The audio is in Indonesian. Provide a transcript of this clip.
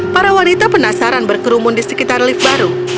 para wanita penasaran berkerumun di sekitar lift baru